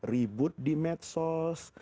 ribut di medsos